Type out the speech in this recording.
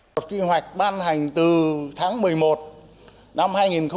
luật quy hoạch ban hành từ tháng một mươi một năm hai nghìn một mươi